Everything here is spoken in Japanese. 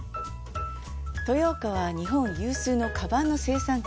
豊岡は、日本有数のかばんの生産地。